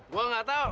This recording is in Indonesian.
gue nggak tahu